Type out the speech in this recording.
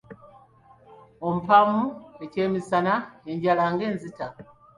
Ompaamu eky'emisana, enjala ng'enzita?